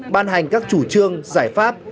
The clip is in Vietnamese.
ban hành các chủ trương giải pháp